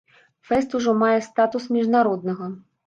Фэст ужо мае статус міжнароднага.